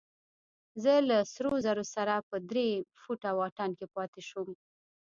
زه له سرو زرو سره په درې فوټه واټن کې پاتې شوم.